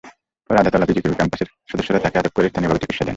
পরে আদাতলা বিজিবি ক্যাম্পের সদস্যরা তাঁকে আটক করে স্থানীয়ভাবে চিকিৎসা দেন।